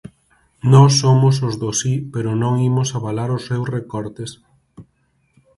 Nós somos os do si, pero non imos avalar os seus recortes.